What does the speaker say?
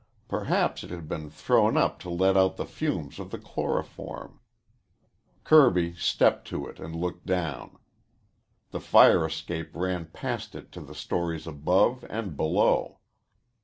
Perhaps it had been thrown up to let out the fumes of the chloroform. Kirby stepped to it and looked down. The fire escape ran past it to the stories above and below.